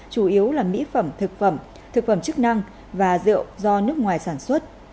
chủ yếu là mỹ phẩm thực phẩm thực phẩm chức năng và rượu do nước ngoài sản xuất